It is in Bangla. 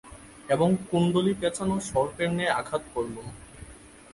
এবং কুণ্ডলী প্যাঁচানো সর্পের ন্যায় আঘাত করলুম।